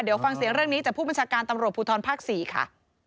เดี๋ยวฟังเสียงเรื่องนี้จากผู้บัญชาการตำรวจภูทรภาค๔ค่ะ